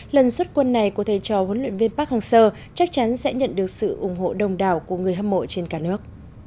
lần xuất quân này của thầy trò huấn luyện viên park hang seo chắc chắn sẽ nhận được sự ủng hộ đồng đảo của người hâm mộ trên cả nước